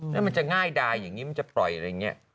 แล้วมันจะง่ายดายอย่างนี้มันจะปล่อยอะไรอย่างนี้